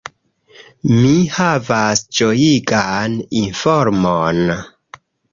Mi havas ĝojigan informon.